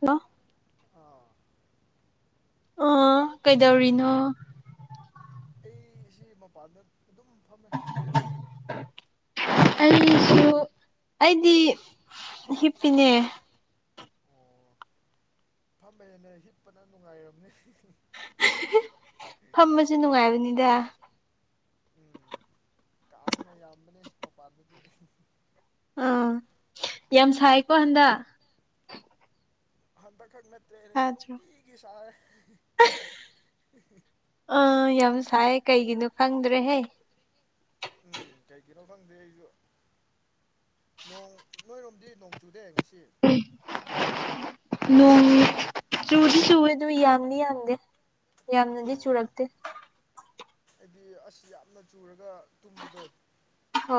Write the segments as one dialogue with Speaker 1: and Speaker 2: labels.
Speaker 1: ꯂ
Speaker 2: ꯑꯥ
Speaker 1: ꯑꯥ ꯀꯩꯗꯧꯔꯤꯅꯣ
Speaker 2: ꯑꯩꯁꯤ ꯃꯄꯥꯟꯗ ꯑꯗꯨꯝ ꯐꯝꯃꯦ ꯅꯪꯗꯤ
Speaker 1: ꯑꯩꯁꯨ ꯑꯩꯗꯤ ꯍꯤꯞꯄꯤꯅꯦ
Speaker 2: ꯑꯣ ꯐꯃꯦꯦꯅ ꯍꯤꯠꯄꯅ ꯅꯨꯡꯉꯥꯏꯔꯕꯅꯤ
Speaker 1: ꯐꯝꯕꯁꯨ ꯅꯨꯡꯉꯥꯏꯕꯅꯤꯗ
Speaker 2: ꯀꯥꯅ ꯌꯥꯗꯅꯦ ꯃ ꯄꯥꯗ
Speaker 1: ꯑꯥ ꯌꯥꯝ ꯁꯥꯏꯀꯣ ꯍꯟꯗ
Speaker 2: ꯍꯟꯗꯛ ꯈꯛ ꯅꯠꯇ꯭ꯔꯦ ꯅꯨꯡꯇꯤꯒꯤ ꯁꯥꯔꯦ
Speaker 1: ꯑ ꯌꯥꯝ ꯁꯥꯏ ꯀꯩꯒꯤꯅꯣ ꯈꯪꯗ꯭ꯔꯦꯍꯦ
Speaker 2: ꯎꯝ ꯀꯩ ꯀꯔ ꯐꯗꯦ ꯅꯣꯡ ꯅꯣꯏꯔꯣꯝꯗꯤ ꯅꯣꯡ ꯆꯨꯗꯦ ꯉꯁꯤ
Speaker 1: ꯅꯣꯡ ꯆꯨꯗꯤ ꯆꯨꯋꯦ ꯑꯗꯨ ꯌꯥꯝꯗꯤ ꯌꯥꯝꯗꯦ ꯌꯥꯝꯅꯗꯤ ꯆꯨꯔꯛꯇꯦ
Speaker 2: ꯍꯥꯏꯗꯤ ꯑꯁ ꯌꯥꯝꯅ ꯆꯨꯔꯒ ꯇꯨꯝꯕꯗꯣ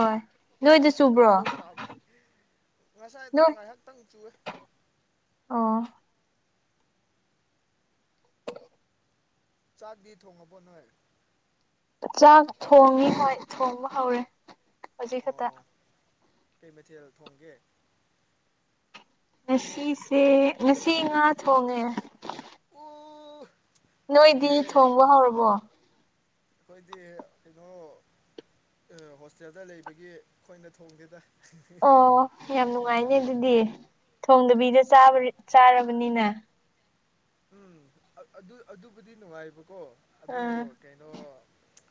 Speaker 1: ꯍꯣꯏ ꯅꯣꯏꯗ
Speaker 2: ꯑꯁ
Speaker 1: ꯆꯨꯕ꯭ꯔꯣ
Speaker 2: ꯑꯗꯨꯗꯣ ꯄꯥꯝꯃꯦ ꯉꯁꯥꯏꯗꯣ
Speaker 1: ꯅꯣꯏ
Speaker 2: ꯉꯥꯏꯍꯥꯛꯇꯪ ꯆꯨꯏꯦ
Speaker 1: ꯑꯣ
Speaker 2: ꯆꯥꯛꯗꯤ ꯊꯣꯡꯉꯕꯣꯠ ꯅꯣꯏ
Speaker 1: ꯆꯥꯛ ꯊꯣꯡꯉꯤ ꯍꯣꯏ ꯊꯣꯡꯕ ꯍꯧꯔꯦ ꯍꯧꯖꯤꯛ ꯈꯛꯇ
Speaker 2: ꯑꯣ ꯀꯩ ꯃꯊꯦꯜ ꯊꯣꯡꯒꯦ
Speaker 1: ꯅꯁꯤꯁꯦ ꯅꯁꯤ ꯏ ꯉꯥ ꯊ ꯍꯣꯡꯒꯦ
Speaker 2: ꯑꯣ
Speaker 1: ꯅꯣꯏꯗꯤ
Speaker 2: ꯍꯥꯎꯅꯤꯍꯦ
Speaker 1: ꯊꯣꯡꯕ ꯍꯧꯔꯕꯣ
Speaker 2: ꯑꯩꯈꯣꯏꯗꯤ ꯀꯩꯅꯣ ꯍꯣꯁꯇꯦꯜꯗ ꯂꯩꯕꯒꯤ ꯑꯩꯈꯣꯏꯅ ꯊꯣꯡꯒꯦꯗ
Speaker 1: ꯑꯣ ꯌꯥꯝ ꯅꯨꯡꯉꯥꯏꯅꯦ ꯑꯗꯨꯗꯤ ꯊꯣꯡꯗꯕꯤꯗ ꯆꯥꯔꯕꯅꯤꯅ
Speaker 2: ꯎꯝ ꯑꯗꯨ ꯑꯗꯨꯕꯨꯗꯤ ꯅꯨꯡꯉꯥꯏꯕꯀꯣ
Speaker 1: ꯑꯥ
Speaker 2: ꯑꯗꯨꯗ ꯀꯩꯅꯩꯅꯣ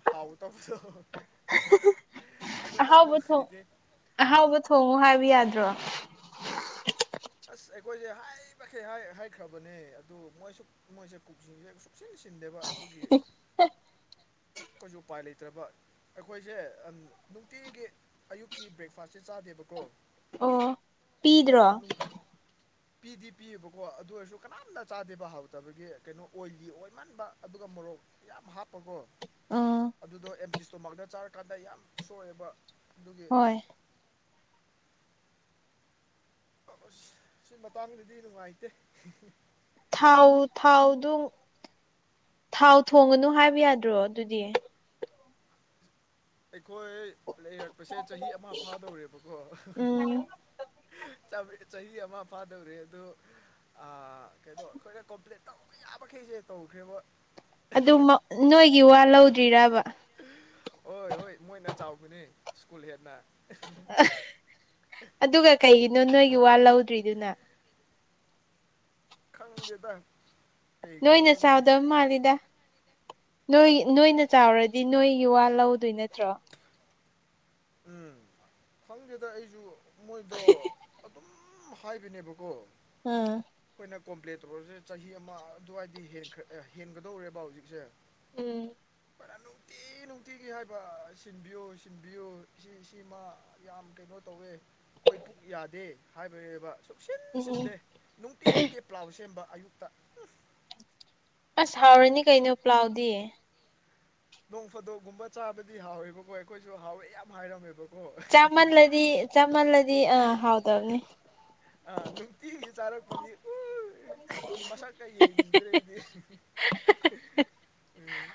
Speaker 2: ꯍꯥꯎ ꯇꯗ
Speaker 1: ꯑꯍꯥꯎꯕ ꯊꯣꯡ ꯑꯍꯥꯎꯕ ꯊꯣꯡꯉꯎ ꯍꯥꯏꯕ ꯌꯥꯗ꯭ꯔꯣ
Speaker 2: ꯑꯁ ꯑꯩꯈꯣꯏꯁꯦ ꯍꯥꯏ ꯃꯈꯩ ꯍꯥꯏꯈ꯭ꯔꯕꯅꯦ ꯑꯗꯨ ꯃꯣꯏꯁꯨ ꯃꯣꯏꯁꯦ ꯀꯨꯛꯆꯤꯡꯁꯦ ꯁꯨꯡꯆꯤ ꯁꯤ ꯗꯕ ꯑꯗꯨꯒꯤ ꯀꯣꯏꯁꯨ ꯎꯄꯥꯏ ꯂꯩꯇ꯭ꯔꯕ ꯑꯩꯈꯣꯏꯁꯦ ꯑ ꯅꯨꯡꯇꯤꯒꯤ ꯑꯌꯨꯛꯀꯤ ꯕ꯭ꯔꯦꯛꯐꯥꯁꯁꯦ ꯆꯥꯗꯦꯕꯀꯣ
Speaker 1: ꯑꯣ ꯄꯤꯗ꯭ꯔꯣ
Speaker 2: ꯑꯗꯨꯒ [inaudible] ꯄꯤꯗꯤ ꯄꯤꯌꯦꯕꯀꯣ ꯑꯗꯨ ꯑꯣꯏꯔꯁꯨ ꯀꯅꯥꯝꯅ ꯆꯥꯗꯦꯕ ꯍꯥꯎꯇꯕꯒꯤ ꯀꯩꯅꯣ ꯑꯣꯏꯂꯤ ꯑꯣꯏꯃꯟꯕ ꯑꯗꯨꯒ ꯃꯣꯔꯣꯛ ꯌꯥꯝ ꯍꯥꯞꯄꯀꯣ
Speaker 1: ꯎꯝ
Speaker 2: ꯑꯗꯨꯗꯣ ꯑꯦꯝꯇꯤ ꯏꯁꯇꯣꯃꯥꯛꯇ ꯆꯥꯔꯥꯀꯥꯟꯗ ꯌꯥꯝ ꯁꯣꯛꯑꯦꯕ ꯑꯗꯨꯒꯤ
Speaker 1: ꯍꯣꯏ
Speaker 2: ꯑꯁ ꯁꯤ ꯃꯇꯥꯡꯗꯗꯤ ꯅꯨꯡꯉꯥꯏꯇꯦ ꯍꯤ ꯍꯤ
Speaker 1: ꯊꯥꯎ ꯊꯥꯎꯗꯨ ꯊꯥꯎ ꯊꯣꯡꯉꯅꯨ ꯍꯥꯏꯕ ꯌꯥꯗ꯭ꯔꯣ ꯑꯗꯨꯗꯤ
Speaker 2: ꯑꯩꯈꯣꯏ ꯂꯩꯔꯛꯄꯁꯦ ꯆꯍꯤ ꯑꯃ ꯐꯥꯗꯧꯔꯦꯕꯀꯣ
Speaker 1: ꯎꯝ
Speaker 2: ꯆꯍꯤ ꯑꯃ ꯐꯥꯗꯧꯔꯤ ꯑ ꯀꯩꯅꯣ ꯑꯩꯈꯣꯏꯅ ꯀꯝꯄ꯭ꯂꯠ ꯇꯧꯕ ꯌꯥꯕꯩ ꯑꯩꯁꯦ ꯇꯧꯈ꯭ꯔꯦꯕ
Speaker 1: ꯑꯗꯨ ꯅꯣꯏꯒꯤ ꯋꯥ ꯂꯧꯗ꯭ꯔꯤꯔꯕ
Speaker 2: ꯍꯣꯏ ꯍꯣꯏ ꯃꯣꯏꯅ ꯆꯥꯎꯕꯅꯤ ꯁ꯭ꯀꯨꯜ ꯍꯦꯟꯅ
Speaker 1: ꯑꯗꯨꯒ ꯀꯩꯒꯤꯅꯣ ꯅꯣꯏꯒꯤ ꯋꯥ ꯂꯧꯗ꯭ꯔꯤꯗꯨꯅ
Speaker 2: ꯈꯪꯒꯦꯗ
Speaker 1: ꯅꯣꯏꯅ ꯆꯥꯎꯗꯕ ꯃꯥꯜꯂꯤꯗ ꯅꯣꯏ ꯅꯣꯏꯅ ꯆꯥꯎꯔꯗꯤ ꯅꯣꯏꯒꯤ ꯋꯥ ꯂꯧꯗꯣꯏ ꯅꯠꯇ꯭ꯔꯣ
Speaker 2: ꯎꯝ ꯈꯪꯗꯦꯗ ꯑꯩꯁꯨ ꯃꯣꯏꯗꯣ ꯑꯗꯨꯝ ꯍꯥꯏꯕꯅꯦꯕꯀꯣ
Speaker 1: ꯑꯥ
Speaker 2: ꯑꯩꯅ ꯀꯣꯝꯄ꯭ꯂꯦꯟ ꯇꯧꯔꯁꯦ ꯆꯍꯤ ꯑꯃ ꯑꯗꯨꯋꯥꯏꯗ꯭ꯔ ꯍꯦꯟꯒꯗꯧꯔꯦꯕ ꯍꯧꯖꯤꯛꯁꯦ
Speaker 1: ꯎꯝ
Speaker 2: ꯐꯅ ꯅꯨꯡꯇꯤ ꯅꯨꯡꯇꯤꯒꯤ ꯍꯥꯏꯕ ꯁꯤꯟꯕꯤꯌꯣ ꯁꯤꯟꯕꯤꯌꯣ ꯁꯤ ꯁꯤꯃ ꯌꯥꯝ ꯀꯩꯅꯣ ꯇꯧꯋꯦ ꯑꯩꯈꯣꯏ ꯄꯨꯛ ꯌꯥꯗꯦ ꯍꯥꯏꯕꯅꯦꯕ ꯁꯨꯛꯁꯤꯟ
Speaker 1: ꯎꯝ
Speaker 2: ꯁꯤꯟꯗꯦ ꯅꯨꯡꯇꯤꯒꯤ ꯄ꯭ꯂꯥꯎ ꯁꯦꯝꯕ ꯑꯌꯨꯛꯇ ꯎꯞ
Speaker 1: ꯑꯁ ꯍꯥꯎꯔꯅꯤ ꯀꯩꯅꯣ ꯄ꯭ꯂꯥꯎꯗꯤ
Speaker 2: ꯅꯣꯡ ꯐꯥꯗꯣꯛꯒꯨꯝꯕ ꯆꯥꯕꯗꯤ ꯍꯥꯎꯋꯦꯕꯀꯣ ꯑꯩꯈꯣꯏꯁꯨ ꯍꯥꯎꯋꯦ ꯌꯥꯝ ꯍꯥꯏꯔꯝꯃꯦꯕ
Speaker 1: ꯆꯥꯃꯜꯂꯗꯤ ꯆꯥꯃꯜꯂꯗꯤ ꯑꯥ ꯍꯥꯎꯗꯕꯅꯤ
Speaker 2: ꯑ ꯅꯨꯡꯇꯤꯒꯤ ꯆꯥꯔꯒꯄꯒꯤ ꯎꯎꯏ ꯃꯁꯛ ꯀ ꯌꯦꯡꯅꯤꯡꯗ꯭ꯔꯦ ꯑꯩꯗꯤ ꯎꯝ ꯍꯨꯝ ꯍꯨꯝ ꯍꯍ ꯍ ꯎꯝ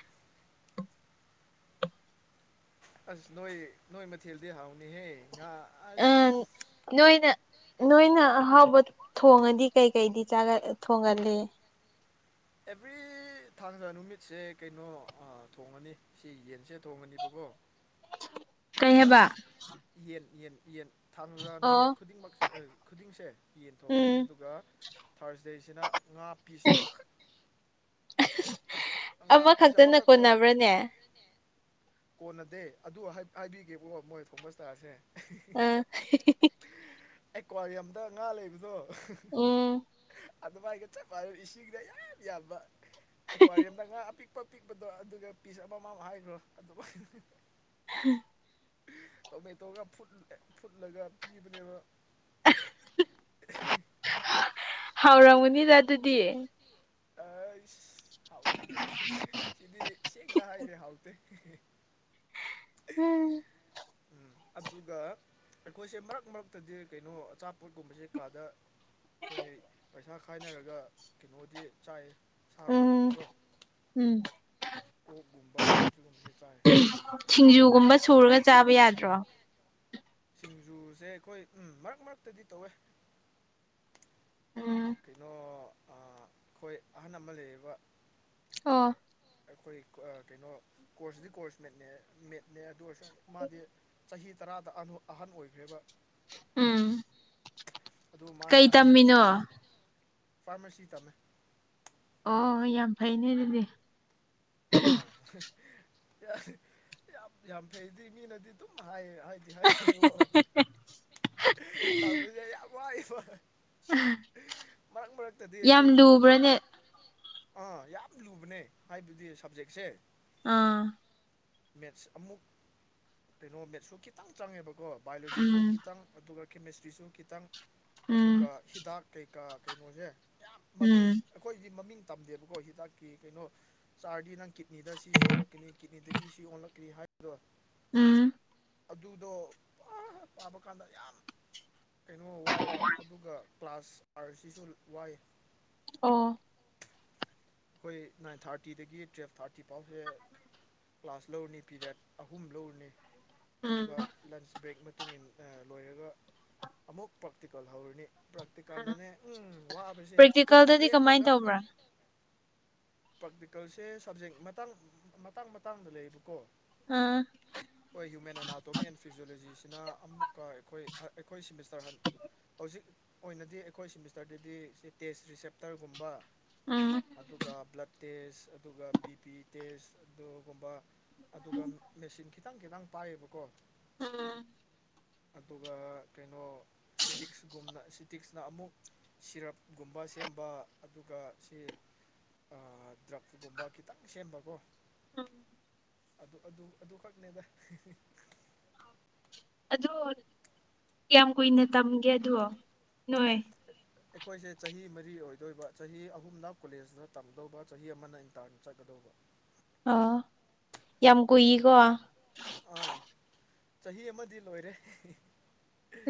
Speaker 2: ꯑꯁ ꯅꯣꯏ ꯅꯣꯏ ꯃꯊꯦꯜꯗꯤ ꯍꯥꯎꯅꯤꯍꯦ ꯉꯥ ꯑꯁ
Speaker 1: ꯑꯥ ꯅꯣꯏꯅ ꯅꯣꯏꯅ ꯑꯍꯥꯎꯕ ꯊꯣꯡꯉꯗꯤ ꯀꯩꯀꯩꯗꯤ ꯆꯥꯒ ꯊꯣꯡꯒꯜꯂꯤ
Speaker 2: ꯑꯦꯕ꯭ꯔꯤ ꯊꯥꯡꯖꯥ ꯅꯨꯃꯤꯠꯁꯦ ꯀꯩꯅꯣ ꯑꯥ ꯊꯣꯡꯉꯅꯤ ꯁꯤ ꯌꯦꯟꯁꯦ ꯊꯣꯡꯉꯅꯤꯕꯀꯣ [inaudible]
Speaker 1: ꯀꯩ ꯍꯦꯕ
Speaker 2: ꯊꯥꯡꯖꯥ ꯅꯨꯃꯤꯠ ꯈꯨꯗꯤꯡꯃꯛꯁꯦ ꯑ ꯈꯨꯗꯤꯡꯁꯦ ꯌꯦꯟ ꯊꯣꯡꯉꯅꯤ
Speaker 1: ꯎꯝ
Speaker 2: ꯑꯗꯨꯒ ꯊꯥꯔꯁꯗꯦꯁꯤꯅ ꯉꯥ ꯄꯤꯁ ꯑꯃꯈꯛ ꯑꯉꯥ ꯑꯄꯤꯁ
Speaker 1: ꯑꯃꯈꯛꯇꯅ
Speaker 2: ꯑꯃꯈꯛꯀꯣ
Speaker 1: ꯀꯣꯟꯅꯕ꯭ꯔꯥꯅꯦ
Speaker 2: ꯀꯣꯟꯅꯗꯦ ꯑꯗꯨ ꯍꯥꯏ ꯍꯥꯏꯕꯤꯒꯦꯕꯀꯣ ꯃꯣꯏ ꯊꯣꯡꯕꯁꯇꯥꯔꯁꯦ
Speaker 1: ꯑꯥ ꯍꯤ ꯍꯤ ꯍꯤ
Speaker 2: ꯑꯦꯀ꯭ꯋꯥꯔꯤꯌꯝꯗ ꯉꯥ ꯂꯩꯕꯗꯣ
Speaker 1: ꯎꯝ
Speaker 2: ꯑꯗꯨ ꯃꯥꯏꯒ ꯆꯞ ꯃꯥꯟꯅꯕ ꯏꯁꯤꯡꯒ ꯌꯥꯝ ꯌꯥꯟꯕ ꯑꯦꯀ꯭ꯋꯥꯔꯤꯌꯝ ꯑꯄꯤꯛꯄ ꯄꯤꯛꯄꯗꯣ ꯑꯗꯨꯒ ꯄꯤꯁ ꯑꯃꯃꯝ ꯍꯥꯏꯈ꯭ꯔꯣ ꯑꯗꯨ ꯑ ꯍ ꯍ ꯍ
Speaker 1: ꯍꯍ
Speaker 2: ꯇꯣꯃꯦꯇꯣꯒ ꯐꯨꯠ ꯐꯨꯠꯂꯒ ꯄꯤꯕꯅꯦꯕ
Speaker 1: ꯑ ꯍꯍ ꯍꯥꯎꯔꯝꯒꯅꯤꯗ ꯑꯗꯨꯗꯤ
Speaker 2: ꯑꯩꯁ ꯍꯥꯎꯇꯦ ꯍꯥꯎꯇꯦ ꯁꯤꯗꯤ ꯏꯁꯦꯡꯅ ꯍꯥꯏꯒꯦ ꯍꯥꯎꯇꯦ ꯍꯦ ꯍꯦ
Speaker 1: ꯎꯝ
Speaker 2: ꯎꯝ ꯑꯗꯨꯒ ꯑꯩꯈꯣꯏꯁꯦ ꯃꯔꯛ ꯃꯔꯛꯇꯗꯤ ꯀꯩꯅꯣ ꯑꯆꯥꯄꯣꯠꯀꯨꯝꯕꯁꯦ ꯀꯥꯗ ꯑꯩꯈꯣꯏ ꯄꯩꯁꯥ ꯈꯥꯏꯅꯔꯒ ꯀꯩꯅꯣꯗꯤ ꯆꯥꯏ
Speaker 1: ꯎꯝ
Speaker 2: ꯁꯥꯒꯨꯝꯕꯗꯤꯀꯣ
Speaker 1: ꯎꯝ
Speaker 2: ꯑꯣꯛꯒꯨꯝꯕ ꯁꯤꯒꯨꯝꯕꯁꯦ ꯆꯥꯏ
Speaker 1: ꯁꯤꯡꯖꯨꯒꯨꯝꯕ ꯁꯨꯔꯒ ꯆꯥꯕ ꯌꯥꯗ꯭ꯔꯣ
Speaker 2: ꯁꯤꯡꯖꯨꯁꯦ ꯑꯩꯈꯣꯏ ꯎꯝ ꯃꯔꯛ ꯃꯔꯛꯇꯗꯤ ꯇꯧꯋꯦ
Speaker 1: ꯎꯝ
Speaker 2: ꯀꯩꯅꯣ ꯑꯥ ꯑꯩꯈꯣꯏ ꯑꯍꯜ ꯑꯃ ꯂꯩꯌꯦꯕ
Speaker 1: ꯑꯣ
Speaker 2: ꯑꯩꯈꯣꯏ ꯀ꯭ꯋꯥ ꯑ ꯀꯩꯅꯣ ꯀꯣꯔꯁꯗꯤ ꯀꯣꯔꯁ ꯃꯦꯠꯅꯦ ꯃꯦꯠꯅꯦ ꯑꯗꯨ ꯑꯣꯏꯔꯁꯨ ꯃꯥꯗꯤ ꯆꯍꯤ ꯇꯔꯥꯗ ꯑꯅꯣ ꯑꯍꯟ ꯑꯣꯏꯈ꯭ꯔꯦꯕ
Speaker 1: ꯎꯝ
Speaker 2: ꯑꯗꯨ
Speaker 1: ꯀꯩ
Speaker 2: ꯃꯥꯅ ꯑꯗꯨꯝ
Speaker 1: ꯇꯝꯃꯤꯅꯣ
Speaker 2: ꯐꯥꯔꯃꯥꯁꯤ ꯇꯝꯃꯦ
Speaker 1: ꯑꯣ ꯌꯥꯝ ꯐꯩꯅꯦ ꯑꯗꯨꯗꯤ
Speaker 2: ꯑꯣ ꯑꯍ ꯌꯥꯝ ꯌꯥꯝ ꯐꯩꯗꯤ ꯃꯤꯅꯗꯤ ꯑꯗꯨꯝ ꯍꯥꯏꯌꯦ ꯍꯥꯏꯗꯤ ꯍꯥꯏꯁꯤꯃꯦ ꯇꯝꯃꯤꯖꯦ ꯌꯥꯝ ꯋꯥꯏꯌꯦꯕ ꯃꯔꯛ ꯃꯔꯛꯇꯗꯤ
Speaker 1: ꯌꯥꯝ
Speaker 2: ꯑꯩꯈꯣꯏꯁꯨ
Speaker 1: ꯂꯨꯕ꯭ꯔꯥꯅꯦ
Speaker 2: ꯑꯥ ꯌꯥꯝ ꯂꯨꯕꯅꯦ ꯍꯥꯏꯕꯗꯤ ꯁꯕꯖꯦꯛꯁꯦ
Speaker 1: ꯑꯥ
Speaker 2: ꯃꯦꯠꯁ ꯑꯃꯨꯛ ꯀꯩꯅꯣ ꯃꯦꯠꯁꯁꯨ ꯈꯤꯇꯪ ꯆꯪꯉꯦꯕ ꯀꯣ ꯕꯥꯏꯑꯣꯂꯣꯖꯤꯁꯨ
Speaker 1: ꯎꯝ
Speaker 2: ꯈꯤꯇꯪ ꯑꯗꯨꯒ ꯀꯦꯃꯦꯁꯇ꯭ꯔꯤꯁꯨ ꯈꯤꯇꯪ
Speaker 1: ꯎꯝ
Speaker 2: ꯑꯗꯨꯒ ꯍꯤꯗꯥꯛ ꯀꯩꯀꯥ ꯀꯩꯅꯣꯁꯦ ꯌꯥꯝ ꯃꯃꯤꯡ
Speaker 1: ꯎꯝ
Speaker 2: ꯑꯩꯈꯣꯏꯗꯤ ꯃꯃꯤꯡ ꯇꯝꯗꯦꯕꯀꯣ ꯍꯤꯗꯥꯛꯀꯤ ꯀꯩꯅꯣ ꯆꯥꯔꯗꯤ ꯅꯪ ꯀꯤꯠꯅꯤꯗ ꯁꯤ ꯁꯣꯛꯂꯛꯀꯅꯤ ꯀꯤꯠꯅꯤꯗꯒꯤ ꯁꯤ ꯑꯣꯜꯂꯛꯀꯅꯤ ꯍꯥꯏ ꯗ
Speaker 1: ꯎꯝ
Speaker 2: ꯑꯗꯨꯗꯣ ꯄ ꯄꯥꯕ ꯀꯥꯟꯗ ꯌꯥꯝ ꯀꯩꯅꯣ ꯋꯥꯏꯑꯕ ꯑꯗꯨꯒ ꯀ꯭ꯂꯥꯁ ꯑꯥꯔꯁꯤꯁꯨ ꯋꯥꯏ
Speaker 1: ꯑꯣ
Speaker 2: ꯑꯩꯈꯣꯏ ꯅꯥꯏꯟ ꯊꯥꯔꯇꯤꯗꯒꯤ ꯇꯨꯋꯐ ꯊꯥꯔꯇꯤ ꯐꯥꯎꯁꯦ ꯀ꯭ꯂꯥꯁ ꯂꯧꯔꯅꯤ ꯄꯤꯔꯤꯌꯥꯠ ꯑꯍꯨꯝ ꯂꯧꯔꯅꯤ
Speaker 1: ꯎꯝ
Speaker 2: ꯑꯗꯨꯒ ꯂꯟꯁ ꯕ꯭ꯔꯦꯛ ꯃꯇꯨꯡ ꯂꯣꯏꯔꯒ ꯑꯃꯨꯛ ꯄ꯭ꯔꯥꯛꯇꯤꯀꯜ ꯍꯧꯔꯅꯤ ꯄ꯭ꯔꯇꯤꯀꯥꯟꯗꯅꯦ ꯎꯝ ꯋꯥꯕꯁꯦ ꯑꯗꯨꯝ
Speaker 1: ꯄ꯭ꯔꯦꯛꯇꯤꯀꯦꯜꯗꯗꯤ ꯀꯃꯥꯏꯅ
Speaker 2: ꯂꯦꯞꯄꯒ
Speaker 1: ꯇꯧꯕ꯭ꯔꯥ
Speaker 2: ꯄ꯭ꯔꯥꯛꯇꯤꯀꯦꯜꯁꯦ ꯁꯕꯖꯦꯛ ꯃꯇꯥꯡ ꯃꯇꯥꯡ ꯃꯇꯥꯡꯗ ꯂꯩꯌꯦꯕꯀꯣ
Speaker 1: ꯑꯥ
Speaker 2: ꯍꯣꯏ ꯍ꯭ꯌꯨꯃꯦꯟ ꯑꯦꯅꯥꯇꯣꯃꯤ ꯑꯦꯟ ꯐꯤꯖꯣꯂꯣꯖꯤꯁꯤꯅ ꯑꯃꯨꯛꯀ ꯑꯩꯈꯣꯏ ꯑꯩꯈꯣꯏ ꯁꯤꯦꯃꯤꯁꯇꯔ ꯍ ꯍꯧꯖꯤꯛ ꯑꯣꯏꯅꯗꯤ ꯑꯩꯈꯣꯏ ꯁꯤꯦꯃꯤꯁꯇꯔꯗꯗꯤ ꯇꯦꯁ ꯔꯤꯁꯦꯞꯇꯔꯒꯨꯝꯕ
Speaker 1: ꯑꯥ
Speaker 2: ꯑꯗꯨꯒ ꯕ꯭ꯂꯠ ꯇꯦꯁ ꯑꯗꯨꯒ ꯕꯤ ꯄꯤ ꯇꯦꯁ ꯑꯗꯨꯒꯨꯝꯕ ꯑꯗꯨꯒ ꯃꯦꯆꯤꯟ ꯈꯤꯇꯪ ꯈꯤꯇꯪ ꯄꯥꯏꯌꯦꯕꯀꯣ
Speaker 1: ꯑꯝ
Speaker 2: ꯑꯗꯨꯒ ꯀꯩꯅꯣ ꯁꯤꯇꯤꯛꯁꯒꯨꯝꯅ ꯁꯤꯇꯤꯛꯁꯅ ꯑꯃꯨꯛ ꯁꯤꯔꯞꯒꯨꯝꯕ ꯁꯦꯝꯕ ꯑꯗꯨꯒ ꯁꯤ ꯑ ꯗ꯭ꯔꯛꯒꯨꯝꯕ ꯈꯤꯇꯪ ꯁꯦꯝꯕꯀꯣ
Speaker 1: ꯎꯝ
Speaker 2: ꯑꯗꯨ ꯑꯗꯨ ꯑꯗꯨꯈꯛꯅꯦꯗ
Speaker 1: ꯑ ꯀꯌꯥꯝ ꯀꯨꯏꯅ ꯇꯝꯒꯦ ꯑꯗꯣ ꯅꯣꯏ
Speaker 2: ꯑꯩꯈꯣꯏꯁꯦ ꯆꯍꯤ ꯃꯔꯤ ꯑꯣꯏꯗꯣꯏꯕ ꯆꯍꯤ ꯑꯍꯨꯝꯗ ꯀꯣꯂꯦꯖꯇ ꯇꯝꯗꯧꯕ ꯆꯍꯤ ꯑꯃꯅ ꯏꯟꯇꯔꯟ ꯆꯠꯀꯗꯧꯕ ꯍꯣ
Speaker 1: ꯑ ꯌꯥꯝ ꯀꯨꯏꯀꯣ
Speaker 2: ꯑꯥ ꯆꯍꯤ ꯑꯃꯗꯤ ꯂꯣꯏꯔꯦ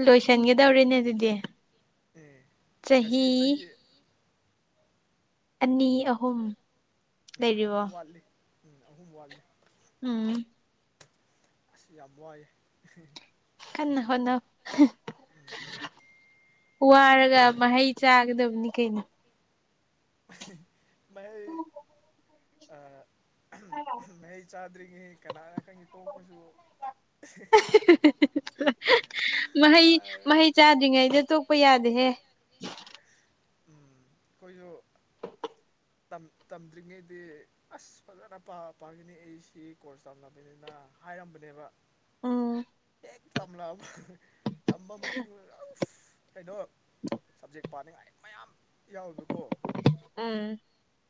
Speaker 1: ꯂꯣꯏꯁꯤꯟꯒꯗꯧꯔꯤꯅꯦ ꯑꯗꯨꯗꯤ
Speaker 2: ꯎꯝ ꯉꯁꯤ
Speaker 1: ꯆꯍꯤ
Speaker 2: ꯆꯍꯤꯍꯤ
Speaker 1: ꯑꯅꯤ ꯑꯍꯨꯝ
Speaker 2: ꯎꯝ
Speaker 1: ꯂꯩꯔꯤꯕꯣ
Speaker 2: ꯑꯍꯨꯝ ꯋꯥꯠꯂꯤ ꯎꯝ ꯑꯍꯨꯝ ꯋꯥꯠꯂꯤ
Speaker 1: ꯎꯝ
Speaker 2: ꯁꯤ ꯌꯥꯕꯏ
Speaker 1: ꯀꯟꯅ ꯍꯣꯅ
Speaker 2: ꯎꯝ
Speaker 1: ꯋꯥꯔꯒ ꯃꯍꯩ ꯆꯥꯒꯗꯕꯅꯤ ꯀꯩꯅꯩꯅꯣ
Speaker 2: [inaudible]
Speaker 1: ꯎꯝ
Speaker 2: ꯃꯍꯌꯥꯩ ꯆꯥꯗ꯭ꯔꯤꯉꯩ ꯀꯅꯥꯅ ꯈꯪꯉꯤ ꯇꯣꯛꯄꯁꯨ [inaudible]
Speaker 1: ꯃꯍꯩ
Speaker 2: ꯑ
Speaker 1: ꯃꯍꯩ ꯆꯥꯗ꯭ꯔꯤꯉꯩꯗ ꯇꯣꯛꯄ ꯌꯥꯗꯦꯍꯦ
Speaker 2: ꯎꯝ ꯀꯣꯏꯁꯨ ꯇꯝꯗ꯭ꯔꯤꯉꯩꯗꯤ ꯑꯁ ꯐꯖꯅ ꯄꯥ ꯄꯥꯒꯤꯅꯤ ꯑꯩ ꯁꯤ ꯀꯣꯔꯁ ꯇꯝꯂꯃꯤꯅꯤꯅ ꯍꯥꯏꯔꯝꯕꯅꯦꯕ
Speaker 1: ꯑꯥ
Speaker 2: ꯇꯝꯂꯑ ꯇꯝꯕ ꯃꯇꯨꯡꯗ ꯀꯩꯅꯣ ꯁꯞꯖꯦꯛ ꯄꯥꯅꯤꯡꯉꯥꯏ ꯃꯌꯥꯝ ꯌꯥꯎꯋꯦꯕꯀꯣ
Speaker 1: ꯑꯝ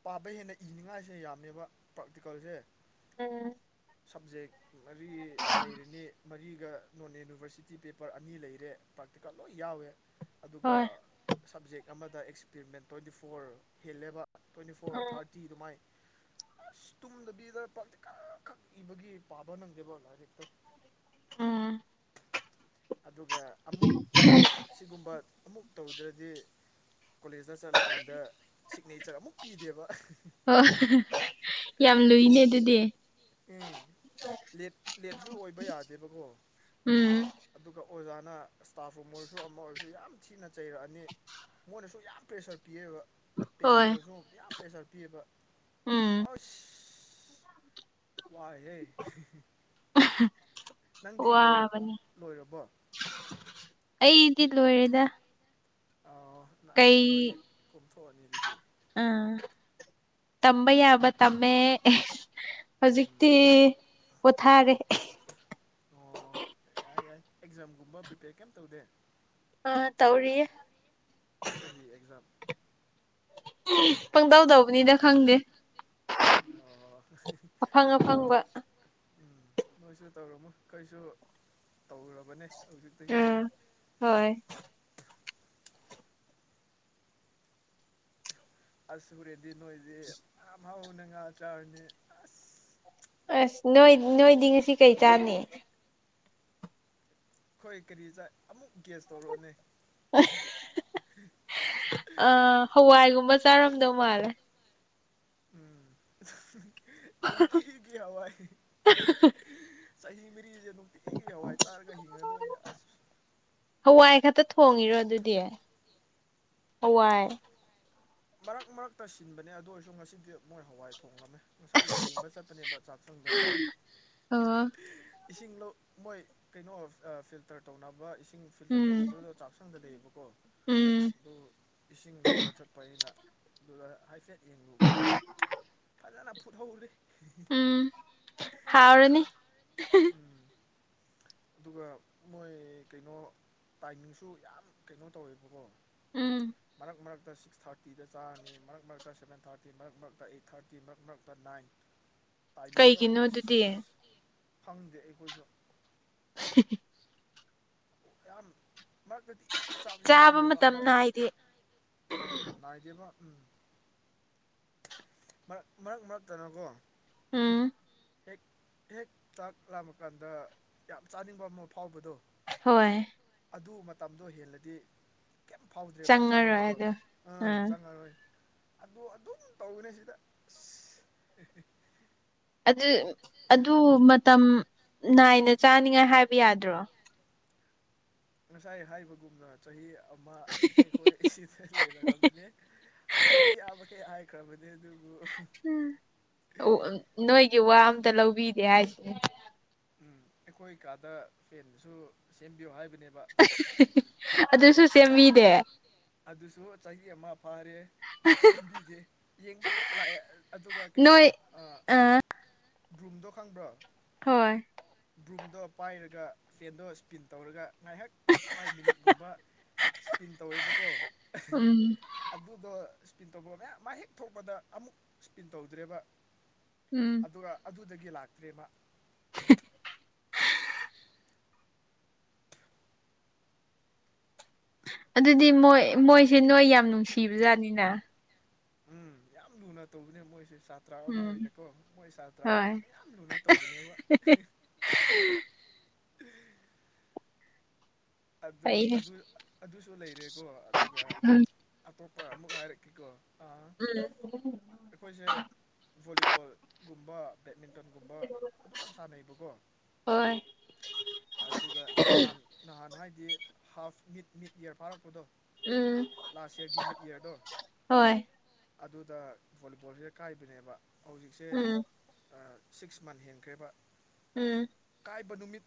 Speaker 2: ꯄꯥꯕ ꯍꯦꯟꯅ ꯏꯅꯤꯉꯥꯏꯁꯦ ꯌꯥꯝꯅꯦꯕ ꯄ꯭ꯔꯥꯛꯇꯤꯀꯜꯁꯦ
Speaker 1: ꯎꯝ
Speaker 2: ꯁꯕꯖꯦꯛ ꯃꯔꯤ ꯂꯩꯔꯤꯅꯤ ꯃꯔꯤꯒ ꯅꯣꯟ ꯌꯨꯅꯤꯕꯔꯁꯤꯇꯤ ꯄꯦꯄꯔ ꯑꯅꯤ ꯂꯩꯔꯦ ꯄ꯭ꯔꯥꯛꯇꯤꯀꯜ ꯂꯣꯏ ꯌꯥꯎꯋꯦ ꯑꯗꯨꯒ
Speaker 1: ꯍꯣꯏ
Speaker 2: ꯁꯕꯖꯦꯛ ꯑꯃꯗ ꯑꯦꯛꯁꯄꯔꯤꯃꯦꯟ ꯇ꯭ꯋꯦꯟꯇꯤ ꯐꯣꯔ ꯍꯦꯜꯂꯦꯕ ꯇ꯭ꯋꯦꯟꯇꯤ ꯐꯣꯔ ꯊꯥꯔꯇꯤ ꯑꯗꯨꯃꯥꯏ ꯑꯁ ꯇꯨꯝꯗꯕꯤꯗ ꯄ ꯀꯛ ꯏꯕꯒꯤ ꯄꯥꯕ ꯅꯪꯗꯦꯕ ꯑꯣꯂꯣ ꯍꯖꯤꯦꯛꯇꯣ
Speaker 1: ꯎꯝ
Speaker 2: ꯑꯗꯨꯒ ꯑꯃꯨꯛ ꯁꯤꯒꯨꯝꯕ ꯑꯃꯨꯛ ꯇꯧꯗ꯭ꯔꯗꯤ ꯀꯣꯂꯦꯖꯇ ꯆꯠꯂꯀꯥꯟꯗ ꯁꯤꯛꯅꯦꯆꯔ ꯑꯃꯨꯛ ꯄꯤꯗꯦꯕ
Speaker 1: ꯍ ꯌꯥꯝ ꯂꯨꯏꯅꯦ ꯑꯗꯨꯗꯤ
Speaker 2: ꯎꯝ ꯂꯦꯠ ꯂꯦꯠꯁꯨ ꯑꯣꯏꯕ ꯌꯥꯗꯦꯕꯀꯣ
Speaker 1: ꯎꯝ
Speaker 2: ꯑꯗꯨꯒ ꯑꯣꯖꯥꯅ ꯏꯁꯇꯥꯐ ꯔꯨꯝ ꯑꯣꯏꯔꯁꯨ ꯑꯃ ꯑꯣꯏꯔꯁꯨ ꯌꯥꯝ ꯊꯤꯅ ꯆꯩꯔꯛꯑꯅꯤ ꯃꯣꯏꯅꯁꯨ ꯌꯥꯝ ꯄ꯭ꯔꯦꯁꯔ ꯄꯤꯌꯦꯕ
Speaker 1: ꯍꯣꯏ
Speaker 2: ꯄꯦꯔꯦꯟꯁꯇꯁꯨ ꯌꯥꯝ ꯄ꯭ꯔꯦꯁꯥꯔ ꯄꯤꯌꯦꯕ
Speaker 1: ꯎꯝ
Speaker 2: ꯑꯁ ꯋꯥꯏ ꯍꯦ ꯅꯪꯗꯤ ꯂꯣꯏ
Speaker 1: ꯋꯥꯕꯅꯤ
Speaker 2: ꯂꯣꯏꯔꯕꯣ
Speaker 1: ꯑꯩꯗꯤ ꯂꯣꯏꯔꯦꯗ
Speaker 2: ꯑ ꯑꯁ
Speaker 1: ꯀꯩ
Speaker 2: ꯅꯣꯏꯗꯤ ꯀꯣꯊꯣꯛꯑꯅꯤ ꯑꯗꯨꯗꯤ
Speaker 1: ꯑꯥ ꯇꯝꯕꯩꯕ ꯇꯃꯦꯃꯦ
Speaker 2: ꯎꯝ
Speaker 1: ꯍꯧꯖꯤꯛꯇꯤ ꯄꯣꯊꯥꯔꯦ
Speaker 2: ꯌꯥ ꯑꯦꯛꯖꯥꯝꯒꯨꯝꯕ ꯄꯔꯤꯄꯦꯔ ꯀ ꯇꯧꯗꯦ
Speaker 1: ꯑꯥ ꯇꯧꯔꯤ
Speaker 2: ꯀꯔꯤ ꯑꯦꯛꯖꯥꯝ
Speaker 1: ꯄꯪꯇꯧ ꯇꯧꯕꯅꯤꯗ ꯈꯪꯗꯦ ꯑꯐꯪ
Speaker 2: ꯑꯣ
Speaker 1: ꯑꯐꯪꯕ
Speaker 2: ꯎꯝ ꯂꯣꯏꯁꯤꯦ ꯇꯧꯔꯣꯃꯣ ꯀꯩꯁꯨ ꯇꯧꯔꯕꯅꯦ ꯍꯧꯖꯤꯛꯇꯒꯤ
Speaker 1: ꯎꯝ ꯍꯣꯏ
Speaker 2: ꯑꯁ ꯍꯨꯔꯦꯗꯤ ꯅꯣꯏꯗꯤ ꯌꯥꯝ ꯍꯥꯎꯅ ꯉꯥ ꯆꯥꯔꯅꯤ ꯑꯁ
Speaker 1: ꯑꯁ ꯅꯣꯏ ꯅꯣꯏꯗꯤ ꯉꯁꯤ ꯀꯩ ꯆꯥꯅꯤ
Speaker 2: ꯍꯣꯏ ꯀꯔꯤ ꯆ ꯑꯃꯨꯛ ꯒꯦꯁ ꯇꯧꯔꯛꯑꯅꯦ
Speaker 1: ꯑ ꯍꯋꯥꯏꯒꯨꯝꯕ ꯆꯥꯔꯝꯗꯧ ꯃꯥꯜꯂꯦ
Speaker 2: ꯎꯝ ꯑꯗꯨꯝ ꯊꯤ ꯀꯋꯥꯏ ꯆꯍꯤ ꯃꯔꯤꯁꯦ ꯑꯗꯨꯝ ꯄꯤꯛꯈꯦ ꯍꯋꯥꯏ ꯆꯥꯔꯒ ꯍꯤꯡꯉꯗꯣꯏꯅꯦ ꯑꯁ
Speaker 1: ꯍꯋꯥꯏ ꯈꯛꯇ ꯊꯣꯡꯉꯤꯔꯣ ꯑꯗꯨꯗꯤ ꯍꯋꯥꯏ
Speaker 2: ꯃꯔꯛ ꯃꯔꯛꯇ ꯁꯤꯟꯕꯅꯦ ꯑꯗꯨ ꯑꯣꯏꯔꯁꯨ ꯉꯁꯤꯗꯤ ꯃꯣꯏ ꯍꯋꯥꯏ ꯊꯣꯡꯂꯝꯃꯦ ꯉꯁꯥꯏ ꯌꯦꯡꯕ ꯆꯠꯄꯅꯦꯕ ꯆꯥꯛꯊꯪꯗ
Speaker 1: ꯑꯣ
Speaker 2: ꯏꯁꯤꯡꯗꯣ ꯃꯣꯏ ꯀꯩꯅꯣ ꯐꯤꯜꯇꯔ ꯇꯧꯅꯕ ꯏꯁꯤꯡ ꯐꯤꯜꯇꯔ
Speaker 1: ꯎꯝ
Speaker 2: ꯇꯧꯔꯝꯝꯕꯗꯨꯗ ꯆꯥꯛꯁꯪꯗ ꯂꯩꯌꯦꯕꯀꯣ
Speaker 1: ꯎꯝ
Speaker 2: ꯑꯗꯨꯗꯣ ꯏꯁꯤꯡ ꯂꯧꯕ ꯆꯠ ꯑꯩꯅꯗ ꯍꯥꯏꯐꯦꯠ ꯌꯦꯡꯂꯨꯕ ꯐꯖꯅ ꯐꯨꯠꯍꯧꯔꯤ
Speaker 1: ꯎꯝ ꯍꯥꯎꯔꯅꯤ
Speaker 2: ꯎꯝ ꯑꯗꯨꯒ ꯃꯣꯏ ꯀꯩꯅꯣ ꯇꯥꯏꯃꯤꯡꯁꯨ ꯌꯥꯝ ꯀꯩꯅꯣ ꯇꯧꯋꯦꯕꯀꯣ
Speaker 1: ꯎꯝ
Speaker 2: ꯃꯔ ꯃꯔ ꯃꯔꯛꯇ ꯁꯤꯛꯁ ꯊꯥꯔꯇꯤꯗ ꯆꯥꯔꯅꯤ ꯃꯔꯛ ꯃꯔꯛꯇ ꯁꯕꯦꯟ ꯊꯥꯔꯇꯤ ꯃꯔꯛ ꯃꯔꯛꯇ ꯑꯩꯠ ꯊꯥꯔꯇꯤ ꯃꯔꯛ ꯃꯔꯛꯇ ꯅꯥꯏꯟ
Speaker 1: ꯀꯩꯒꯤꯅꯣ ꯑꯗꯨꯗꯤ
Speaker 2: ꯐꯪꯗꯦ ꯑꯩꯈꯣꯏꯁꯨ
Speaker 1: [inaudible]
Speaker 2: ꯌꯥꯝꯝ ꯃꯔꯛꯇꯗꯤ ꯌꯥꯝ ꯆꯥꯕꯁꯤꯦ
Speaker 1: ꯆꯥꯕ
Speaker 2: ꯂꯥꯝꯃꯦꯕ
Speaker 1: ꯃꯇꯝ
Speaker 2: ꯎꯝ
Speaker 1: ꯅꯥꯏꯗꯦ
Speaker 2: ꯎꯝ ꯅꯨꯡꯉꯥꯏꯗꯦꯕ ꯃꯔꯛ ꯃꯔꯛ ꯃꯔꯛꯇꯅꯀꯣ
Speaker 1: ꯎꯝ
Speaker 2: ꯍꯦꯛ ꯍꯦꯛ ꯆꯥꯛ ꯂꯥꯃꯀꯥꯟꯗ ꯌꯥꯝ ꯆꯥꯅꯤꯡꯕ ꯑꯃ ꯐꯥꯎꯕꯗꯣ
Speaker 1: ꯍꯣꯏ
Speaker 2: ꯑꯗꯨ ꯃꯇꯝꯗꯣ ꯍꯦꯜꯂꯗꯤ ꯀꯩꯝ ꯐꯥꯎꯗ꯭ꯔꯦꯕ
Speaker 1: ꯆꯪꯉꯔꯣꯏ
Speaker 2: ꯆꯥꯅꯤꯡꯕꯗꯣ
Speaker 1: ꯑꯗꯣ
Speaker 2: ꯑꯥ ꯆꯪꯉꯔꯣꯏ ꯑ ꯑꯗꯨꯝ ꯇꯧꯅꯦ ꯁꯤꯗ
Speaker 1: ꯑꯗꯨ ꯑꯗꯨ ꯃꯇꯝ ꯅꯥꯏꯅ ꯆꯥꯅꯤꯡꯉꯥꯏ ꯍꯥꯏꯕ ꯌꯥꯗ꯭ꯔꯣ
Speaker 2: ꯉꯁꯥꯏ ꯍꯥꯏꯕꯒꯨꯝꯅ ꯆꯍꯤ ꯑꯃꯦ ꯑꯩꯈꯣꯏ ꯑꯁꯤꯗ ꯂꯩꯔꯛꯕꯅꯦ ꯍꯥꯏꯕ ꯌꯥꯕꯈꯩ ꯍꯥꯏꯈ꯭ꯔꯕꯅꯦ ꯑꯗꯨ
Speaker 1: ꯅꯣꯏꯒꯤ ꯋꯥ ꯑꯝꯇ ꯂꯧꯕꯤꯗꯦ ꯍꯥꯏꯁꯤꯅꯦ
Speaker 2: ꯎꯝ ꯑꯩꯈꯣꯏ ꯀꯥꯗ ꯐꯦꯟꯁꯨ ꯁꯦꯝꯕꯤꯌꯨ ꯍꯥꯏꯕ
Speaker 1: ꯑꯗꯨꯁꯨ ꯁꯦꯝꯕꯤꯅꯦ
Speaker 2: ꯑꯗꯨꯁꯨ ꯆꯍꯤ ꯑꯃ ꯐꯥꯔꯦ ꯁꯦꯝꯕꯤꯗꯦ ꯌꯦꯡꯕꯈꯛ ꯂꯥꯛꯑꯦ ꯑꯗꯨꯒ ꯀꯩꯅꯣ
Speaker 1: ꯅꯣꯏ
Speaker 2: ꯑ ꯔ꯭ꯔꯨꯝꯗꯣ ꯈꯪꯕ꯭ꯔꯣ
Speaker 1: ꯍꯣꯏ
Speaker 2: ꯕ꯭ꯔꯨꯝꯗꯣ ꯄꯥꯏꯔꯒ ꯐꯦꯟꯗꯣ ꯁ꯭ꯄꯤꯟ ꯇꯧꯔꯒ ꯉꯥꯏꯍꯥꯛ ꯐꯥꯏꯚ ꯃꯤꯅꯤꯠꯀꯨꯝꯕ ꯏꯁꯄꯤꯟ ꯇꯧꯋꯦꯕꯀꯣ
Speaker 1: ꯎꯝ
Speaker 2: ꯑꯗꯨꯗ ꯏꯁꯄꯤꯟ ꯇꯧꯕ ꯃꯌꯥꯝ ꯃꯍꯦꯛ ꯊꯣꯛꯄꯗ ꯑꯃꯨꯛ ꯏꯁꯄꯤꯟ ꯇꯧꯗ꯭ꯔꯦꯕ
Speaker 1: ꯎꯝ
Speaker 2: ꯑꯗꯨꯒ ꯗꯒꯤ ꯂꯥꯛꯇ꯭ꯔꯦꯃ
Speaker 1: ꯑꯗꯨꯗꯤ ꯃꯣꯏ ꯃꯣꯏꯁꯦ ꯅꯣꯏ ꯌꯥꯝ ꯅꯨꯡꯁꯤꯕꯖꯥꯠꯅꯤꯅ
Speaker 2: ꯎꯝ ꯌꯥꯝ ꯂꯨꯅ ꯇꯧꯕꯅꯦ ꯃꯣꯏꯁꯦ ꯁꯥꯇ꯭ꯔ ꯑꯃ
Speaker 1: ꯎꯝ
Speaker 2: ꯑꯣꯏꯅꯀꯣ ꯃꯣꯏ ꯁꯥꯇ꯭ꯔ ꯑꯃ
Speaker 1: ꯍꯣꯏ
Speaker 2: ꯑꯣꯏꯅ ꯌꯥꯝ ꯂꯨꯅ ꯇꯧꯕꯅꯦꯕ ꯎꯝ ꯑꯗꯨ
Speaker 1: ꯐꯩꯅꯦ
Speaker 2: ꯑꯗꯨ ꯑꯗꯨꯁꯨ ꯂꯩꯔꯦ ꯀꯣ ꯑꯗꯨꯒ
Speaker 1: ꯎꯝ
Speaker 2: ꯑꯇꯣꯞꯄ ꯑꯃꯨꯛ ꯍꯥꯏꯔꯛꯀꯀꯣ ꯑ
Speaker 1: ꯎꯝ
Speaker 2: ꯑꯩꯈꯣꯏꯁꯦ ꯚꯣꯂꯤꯕꯣꯜꯒꯨꯝꯕ ꯕꯦꯠꯃꯤꯟꯇꯟꯒꯨꯝꯕ ꯑꯗꯨꯝ ꯁꯥꯟꯅꯩꯕꯀꯣ
Speaker 1: ꯍꯣꯏ
Speaker 2: ꯑꯗꯨꯒ ꯅꯍꯥꯟ ꯅꯍꯥꯟ ꯍꯥꯏꯗꯤ ꯍꯥꯐ ꯃꯤꯠ ꯃꯤꯠ ꯏꯌꯥꯔ ꯐꯥꯔꯛꯄꯗꯣ
Speaker 1: ꯎꯝ
Speaker 2: ꯂꯥꯁ ꯌꯔꯒꯤ ꯃꯤꯠ ꯏꯌꯥꯔꯗꯣ
Speaker 1: ꯍꯣꯏ
Speaker 2: ꯑꯗꯨꯗ ꯕꯣꯂꯤꯕꯣꯜꯁꯤꯗ ꯀꯥꯏꯕꯅꯦꯕ ꯍꯧꯖꯤꯛꯁꯦ
Speaker 1: ꯎꯝ
Speaker 2: ꯁꯤꯛꯁ ꯃꯟ ꯍꯦꯟꯈ꯭ꯔꯦꯕ
Speaker 1: ꯎꯝ
Speaker 2: ꯅꯨꯃꯤꯠꯇ